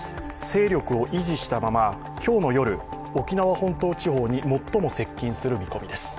勢力を維持したまま、今日の夜、沖縄本島地方に最も接近する見込みです。